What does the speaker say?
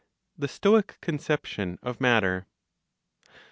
THE STOIC CONCEPTION OF MATTER.